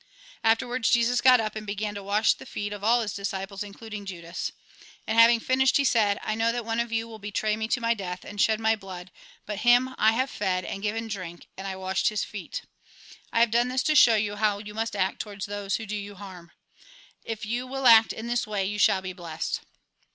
Afterwards Jesus got up, and began to wash the feet of all his disciples, including Judas. And having finished, he said :" I know that one of you will betray me to my death, and shed my blood ; but him I have fed, and given to drink, and washed his feet. I have done this to show you how you must act towards those who do you harm. If you will act in this way, you shall be blessed."